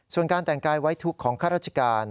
ส่วนการแต่งกายไว้ทุกข์ของข้าราชการ